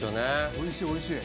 おいしいおいしい。